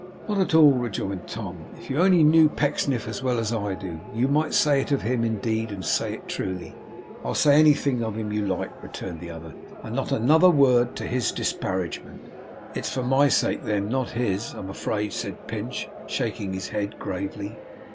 'Not at all,' rejoined Tom. 'If you only knew Pecksniff as well as I do, you might say it of him, indeed, and say it truly.' 'I'll say anything of him, you like,' returned the other, 'and not another word to his disparagement.' 'It's for my sake, then; not his, I am afraid,' said Pinch, shaking his head gravely.